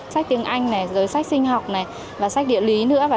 sách tiếng anh này giới sách sinh học này và sách địa lý nữa